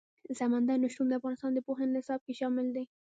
سمندر نه شتون د افغانستان د پوهنې نصاب کې شامل دي.